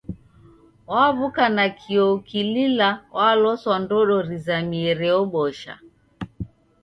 Waw'uka nakio ukilila waloswa ndodo rizamie reobosha.